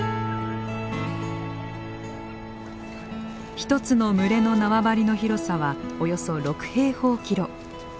一つの群れの縄張りの広さはおよそ６平方キロ。